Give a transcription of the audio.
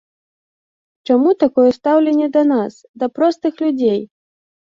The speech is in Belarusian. Чаму такое стаўленне да нас, да простых людзей?